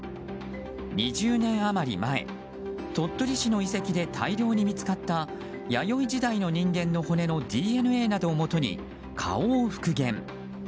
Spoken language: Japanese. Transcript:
２０年余り前鳥取市の遺跡で大量に見つかった弥生時代の人間の骨のＤＮＡなどをもとに顔を復元。